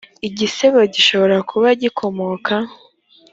igisebo gishobora kuba gikomoka